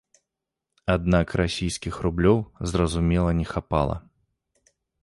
Аднак расійскіх рублёў, зразумела не хапала.